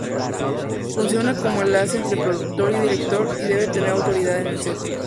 Funciona como enlace entre productor y director y debe tener autoridad en el set.